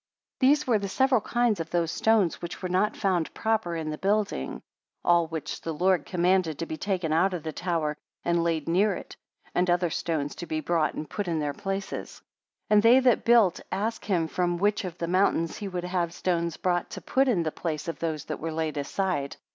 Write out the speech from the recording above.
53 These were the several kinds of those stones which were not found proper in the building; all which the Lord commanded to be taken out of the tower, and laid near it, and other stones to be brought and put in their places. 54 And they that built, asked him from which of the mountains he would have stones brought to put in the place of those that were laid aside.